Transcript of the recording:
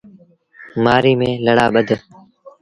مهآريٚ ميݩ لڙآ ٻڌ۔